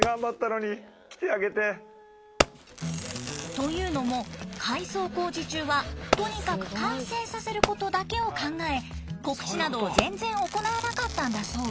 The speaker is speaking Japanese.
というのも改装工事中はとにかく完成させることだけを考え告知などを全然行わなかったんだそう。